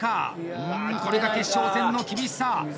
うん、これが決勝戦の厳しさ。